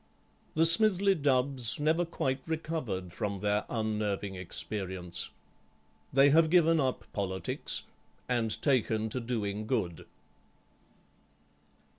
The Smithly Dubbs never quite recovered from their unnerving experience. They have given up politics and taken to doing good.